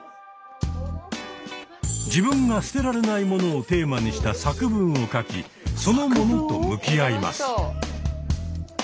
自分が捨てられない物をテーマにした作文を書きその「物」と向き合います。